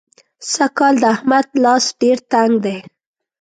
سږکال د احمد لاس ډېر تنګ دی.